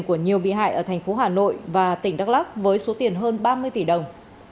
của nhiều bị hại ở thành phố hà nội và tỉnh đắk lắc với số tiền hơn ba mươi tỷ đồng